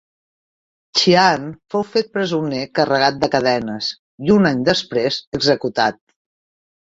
Xian fou fet presoner carregat de cadenes i un any després executat.